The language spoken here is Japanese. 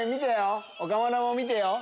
岡村も見てよ！